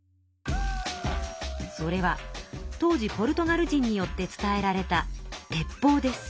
それは当時ポルトガル人によって伝えられた鉄砲です。